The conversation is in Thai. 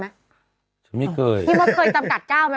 ไม่เคยพี่มดเคยจำกัดก้าวไหม